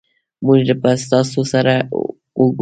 مونږ به ستاسو سره اوګورو